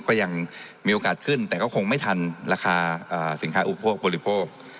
ก็ยังมีโอกาสขึ้นแต่ก็คงไม่ทันราคาสินค้าอุปโภคบริโภค